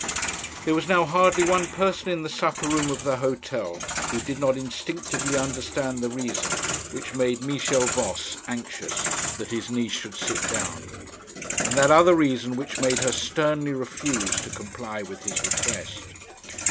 There was now hardly one person in the supper room of the hotel who did not instinctively understand the reason which made Michel Voss anxious that his niece should sit down, and that other reason which made her sternly refuse to comply with his request.